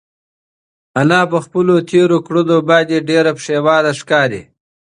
انا په خپلو تېرو کړنو باندې ډېره پښېمانه ښکاري.